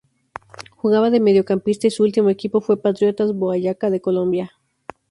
Jugaba de mediocampista y su ultimo equipo fue Patriotas Boyacá de Colombia.